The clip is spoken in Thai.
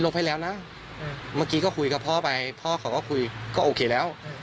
พ่อขอคือก็คุยโอเคแล้ว